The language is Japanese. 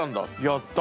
やった！